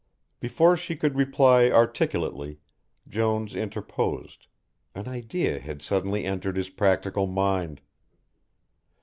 Before she could reply articulately, Jones interposed; an idea had suddenly entered his practical mind.